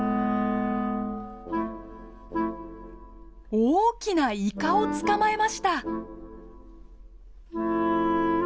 大きなイカを捕まえました！